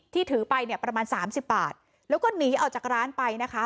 ถือไปเนี่ยประมาณสามสิบบาทแล้วก็หนีออกจากร้านไปนะคะ